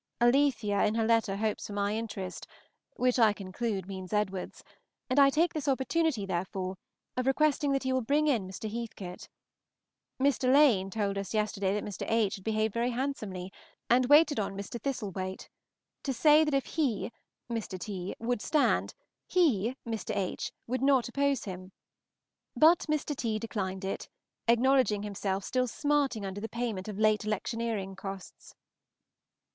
Alethea in her letter hopes for my interest, which I conclude means Edward's, and I take this opportunity, therefore, of requesting that he will bring in Mr. Heathcote. Mr. Lane told us yesterday that Mr. H. had behaved very handsomely, and waited on Mr. Thistlethwaite, to say that if he (Mr. T.) would stand, he (Mr. H.) would not oppose him; but Mr. T. declined it, acknowledging himself still smarting under the payment of late electioneering costs.